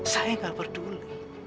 saya gak peduli